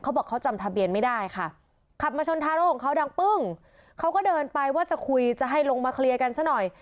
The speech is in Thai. บอกเขาจำทะเบียนไม่ได้ค่ะขับมาชนทารกของเขาดังปึ้งเขาก็เดินไปว่าจะคุยจะให้ลงมาเคลียร์กันซะหน่อย